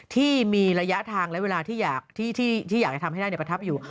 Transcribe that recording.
ที่มีระยะทางและเวลาที่อยากจะทำให้ได้ประทับอยู่